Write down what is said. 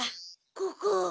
ここ。